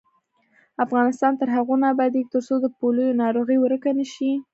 افغانستان تر هغو نه ابادیږي، ترڅو د پولیو ناروغي ورکه نشي.